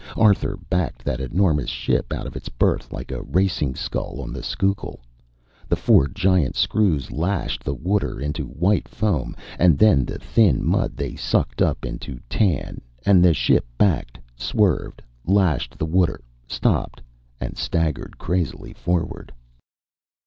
Arthur backed that enormous ship out of its berth like a racing scull on the Schuylkill. The four giant screws lashed the water into white foam, and then the thin mud they sucked up into tan; and the ship backed, swerved, lashed the water, stopped, and staggered crazily forward.